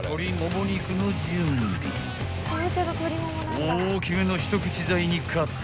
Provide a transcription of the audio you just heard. ［大きめの一口大にカット］